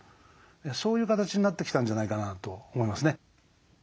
そういう形になってきたんじゃないかなと思いますね。